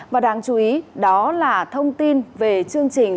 và đáng chú ý đó là thông tin về chương trình